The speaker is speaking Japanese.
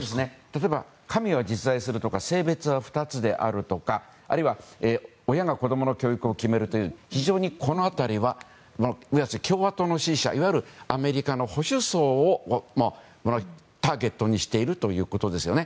例えば神は実在するとか性別は２つであるとかあるいは親が子供の教育を決めるという非常に、この辺りは共和党の支持者であるいわゆるアメリカの保守層をターゲットにしているということですよね。